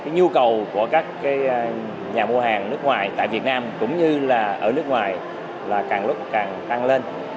nhu cầu của các nhà mua hàng nước ngoài tại việt nam cũng như là ở nước ngoài là càng lúc càng tăng lên